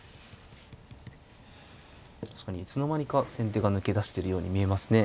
いつの間にか先手が抜け出してるように見えますね。